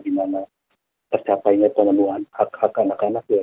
dimana tercapainya pemenuhan hak hak anak anak ya